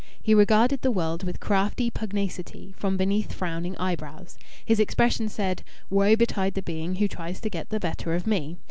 He regarded the world with crafty pugnacity from beneath frowning eyebrows. His expression said: "Woe betide the being who tries to get the better of me!"